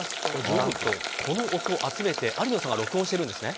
この音を集めて、有野さんが録音しているんですね。